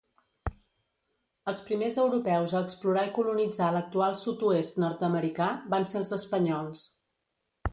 Els primers europeus a explorar i colonitzar l'actual sud-oest nord-americà van ser els espanyols.